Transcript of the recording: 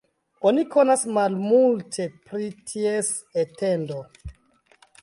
Oni konas malmulte pri ties etendo.